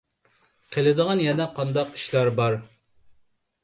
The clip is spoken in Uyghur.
قىلىدىغان يەنە قانداق ئىشلار بار؟